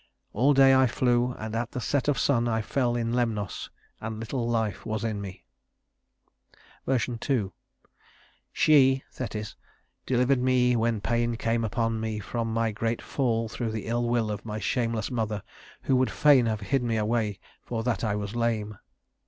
All day I flew, and at the set of sun I fell in Lemnos, and little life was in me." (2) "She (Thetis) delivered me when pain came upon me from my great fall through the ill will of my shameless mother who would fain have hid me away for that I was lame."